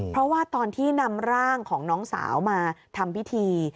เพราะว่าตอนที่นำร่างของน้องสาวมาทำพิธี